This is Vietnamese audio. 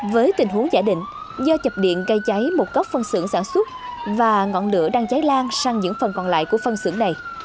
với tình huống giả định do chập điện gây cháy một góc phân xưởng sản xuất và ngọn lửa đang cháy lan sang những phần còn lại của phân xưởng này